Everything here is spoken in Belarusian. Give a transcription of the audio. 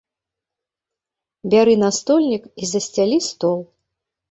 Бяры настольнік і засцялі стол!